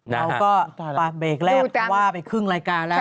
เราก็ปากเบรกแรกเพราะว่าไปครึ่งรายการแล้ว